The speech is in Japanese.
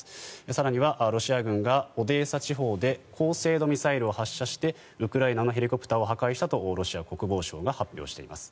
更にはロシア軍がオデーサ地方で高精度ミサイルを発射してウクライナのヘリコプターを破壊したとロシア国防省が発表しています。